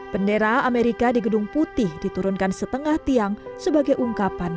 bendera amerika di gedung putih diturunkan setengah tiang sebagai ungkapan